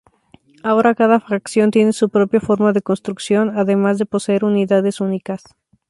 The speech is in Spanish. Ahora cada facción tiene su propia forma de construcción, además de poseer unidades únicas.